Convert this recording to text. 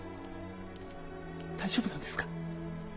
大丈夫なんですか？